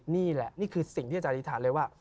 นี่คือสิ่งที่อาจารย์อธิษฐานเลยว่า